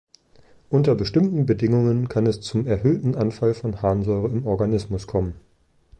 Unter bestimmten Bedingungen kann es zum erhöhten Anfall von Harnsäure im Organismus kommen.